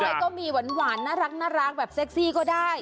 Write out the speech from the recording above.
เรียบร้อยก็มีหวานน่ารักแบบเซ็กซี่ก็ได้